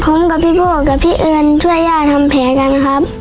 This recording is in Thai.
ผมกับพี่โบ้กับพี่เอิญช่วยย่าทำแผลกันครับ